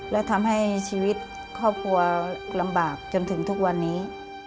และทำให้ชีวิตครอบครัวลำบากจนถึงทุกวันนี้